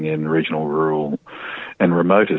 dan orang orang selalu tinggal bersama kami